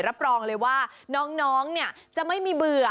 รับรองเลยว่าน้องเนี่ยจะไม่มีเบื่อ